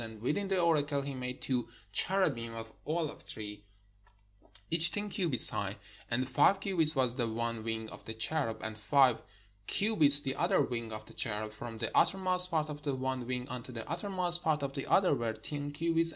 And within the oracle he made two cherubim of olive tree, each ten cubits high. And five cubits was the one wing of the cherub, and five cubits the other wing of the cherub : from the uttermost part of the one wing unto the uttermost part of the other were ten cubits.